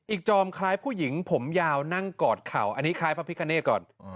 จอมคล้ายผู้หญิงผมยาวนั่งกอดเข่าอันนี้คล้ายพระพิกาเนธก่อน